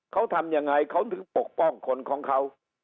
เขาทำยังไงเขาถึงปกป้องคนของเขา